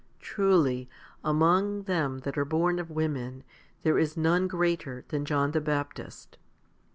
2 6. Truly among them that are born of women there is none greater than John the Baptist?